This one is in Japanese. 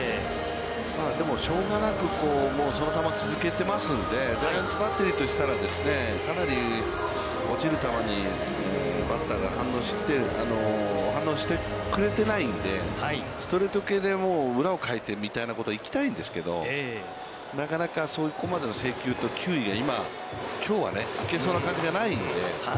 でも、しょうがなくその球を続けてますので、ジャイアンツバッテリーとしたらかなり落ちる球にバッターが反応してくれてないので、ストレート系で裏をかいてみたいなことは行きたいんですけど、なかなかそこまでの制球と球威が、きょうはね、行けそうな感じがないので。